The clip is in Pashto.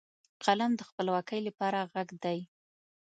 قلم د خپلواکۍ لپاره غږ دی